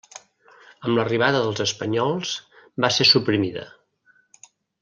Amb l'arribada dels espanyols, va ser suprimida.